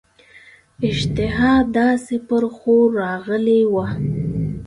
اشتها داسي پر ښور راغلې وه.